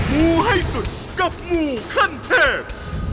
งูให้สุดกับงูขั้นเทพ